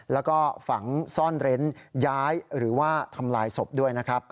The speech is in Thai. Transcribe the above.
แล้วก็ฝังซ่อนเร้นย้ายหรือว่าทำลายศพด้วยนะครับ